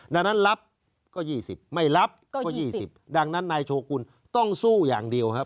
ดังนั้นรับก็ยี่สิบไม่รับก็ยี่สิบดังนั้นนายโชคคุณต้องสู้อย่างเดียวครับ